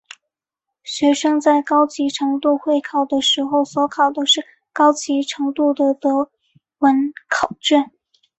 学生在高级程度会考的时候所考的是高级程度的德文考卷。